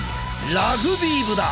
ラグビー部だ。